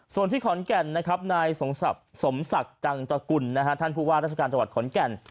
ส่วนที่ขอนแก่นนะครับนายสมศักดิ์จังตกุลท่านผู้ว่าราชการจังหวัดขอนแก่น